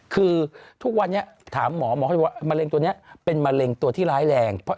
คือทุกวันนี้ถามหมอหมอเขาจะบอกว่ามะเร็งตัวนี้เป็นมะเร็งตัวที่ร้ายแรง